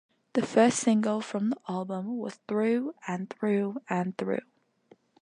The first single from the album was Through and Through and Through.